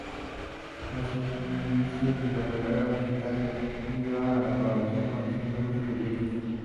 España se convirtió cultural y políticamente en un seguidor de la Francia absolutista.